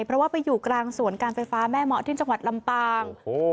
เพราะว่าไปอยู่กลางสวนการไฟฟ้าแม่เหมาะที่จังหวัดลำปาง